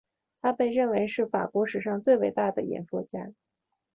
他被认为是法国史上最伟大的演说家。